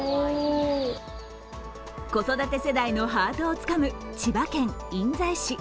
子育て世代のハートをつかむ千葉県印西市。